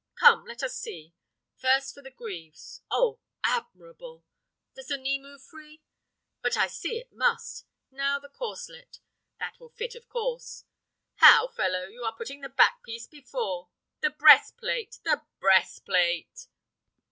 Come! let us see; first, for the greaves. Oh, admirable! Does the knee move free? But I see it must. Now the corslet: that will fit of course. How, fellow! you are putting the back piece before! The breast plate! The breast plate!"